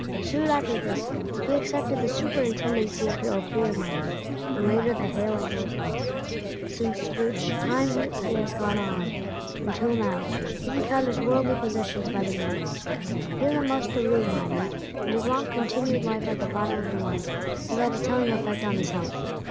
Soon after this he accepted the superintendency of the Ophir mine, and later, the Hale & Norcross; since which time he has gone on, until now, he can count his worldly possessions by the million. He is a most thorough miner, and his long continued life at the bottom of the mines has had a telling effect on his health.